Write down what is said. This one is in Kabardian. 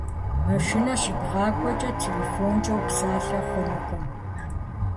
Машинэ щыбгъакӏуэкӏэ телефонкӏэ упсалъэ хъунукъым.